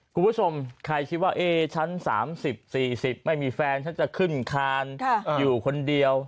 คุณผู้ชมใครคิดว่าฉัน๓๐๔๐ไม่มีแฟนฉันจะขึ้นคานอยู่คนเดียว